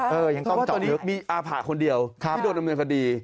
เพราะว่าตอนนี้มีอะภะคนเดียวที่โดนอำนวยคดี